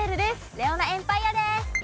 レオナエンパイアです